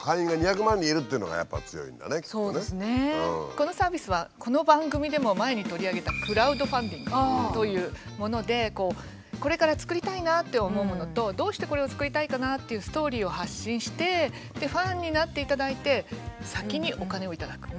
このサービスはこの番組でも前に取り上げたクラウドファンディングというものでこれから作りたいなって思うものとどうしてこれを作りたいかなというストーリーを発信してファンになっていただいて先にお金を頂く。